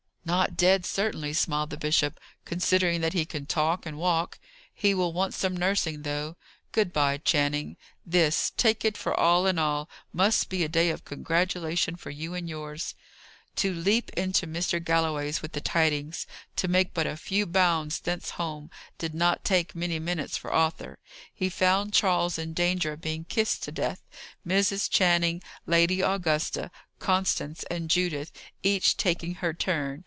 "Not dead, certainly," smiled the bishop, "considering that he can talk and walk. He will want some nursing, though. Good bye, Channing. This, take it for all in all, must be a day of congratulation for you and yours." To leap into Mr. Galloway's with the tidings, to make but a few bounds thence home, did not take many minutes for Arthur. He found Charles in danger of being kissed to death Mrs. Channing, Lady Augusta, Constance, and Judith, each taking her turn.